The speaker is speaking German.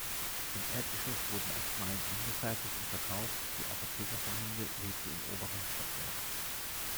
Im Erdgeschoss wurden Arzneien angefertigt und verkauft, die Apothekerfamilie lebte im oberen Stockwerk.